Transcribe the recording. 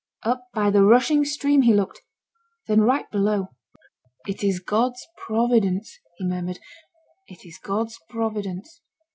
Up by the rushing stream he looked, then right below. 'It is God's providence,' he murmured. 'It is God's providence.'